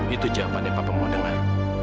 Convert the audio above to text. itu jawabannya papa mau dengar